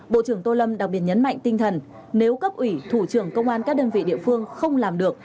bộ trưởng tô lâm đặc biệt nhấn mạnh tinh thần nếu cấp ủy thủ trưởng công an các đơn vị địa phương không làm được